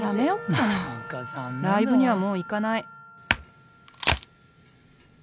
「ライブにはもう行かない」